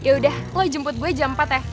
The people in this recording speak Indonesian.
yaudah lo jemput gue jam empat ya